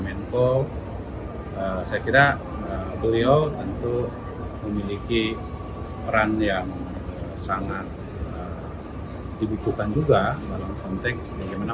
menko saya kira beliau tentu memiliki peran yang sangat dibutuhkan juga dalam konteks bagaimana